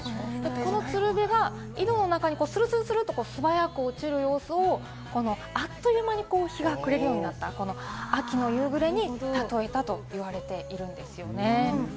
このつるべが井戸の中にスルスルと素早く落ちる様子をあっという間に日が暮れるようになった秋の夕暮れに例えたと言われているんですよね。